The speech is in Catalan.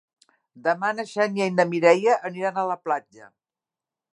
Demà na Xènia i na Mireia aniran a la platja.